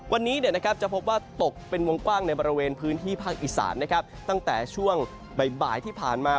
วันนี้จะพบว่าตกเป็นวงกว้างในบริเวณพื้นที่ภาคอีสานนะครับตั้งแต่ช่วงบ่ายที่ผ่านมา